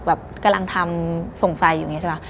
กำลังทำส่งไฟอยู่อย่างนี้ใช่ป่ะ